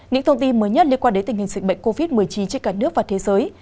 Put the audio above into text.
những thông tin mới nhất liên quan đến tình hình dịch bệnh covid một mươi chín trên cả nước và thế giới